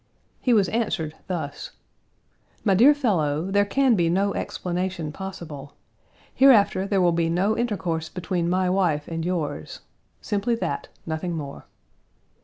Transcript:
He was answered thus: "My dear fellow, there can be no explanation possible. Hereafter there will be no intercourse between my wife and yours; simply that, nothing more."